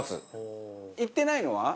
いってないのは？